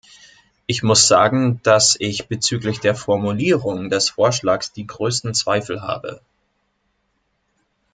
Ich muss sagen, dass ich bezüglich der Formulierung des Vorschlags die größten Zweifel habe.